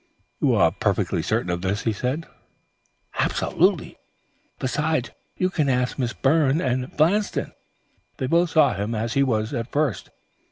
"You are perfectly certain of this?" he said. "Absolutely. Besides, you can ask Miss Byrne and Blanston. They both saw him as he was at first.